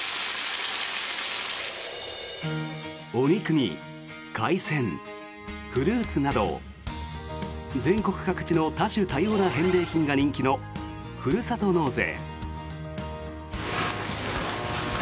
お肉に海鮮、フルーツなど全国各地の多種多様な返礼品が人気のふるさと納税。